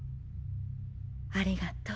ありがとう。